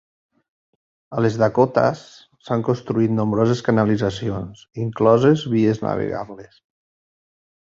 A les Dakotas s'han construït nombroses canalitzacions, incloses vies navegables.